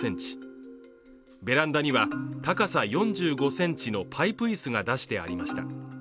ベランダには高さ４５ｃｍのパイプ椅子が出してありました。